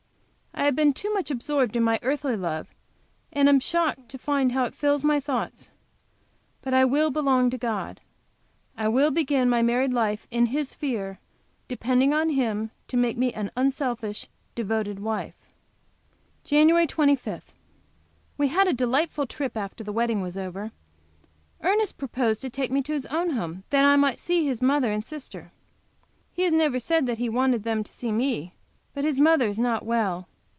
I have been too much absorbed in my earthly love, and am shocked to find how it fills my thoughts. But I will belong to God. I will begin my married life in His fear, depending on Him to make me an unselfish, devoted wife. JAN. 25. We had a delightful trip after the wedding was over. Ernest proposed to take me to his own home that I might see his mother and sister. He never has said that he wanted them to see me. But his mother is not well.